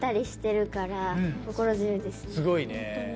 すごいね。